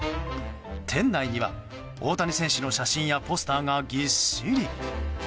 店内には、大谷選手の写真やポスターがぎっしり。